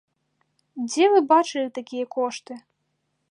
Дзе вы бачылі такія кошты?